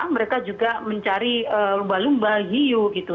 mereka juga mencari lumba lumba hiu gitu